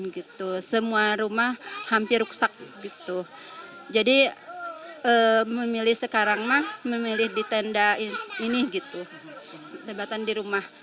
jadi saya memilih sekarang mas memilih di tenda ini tempat di rumah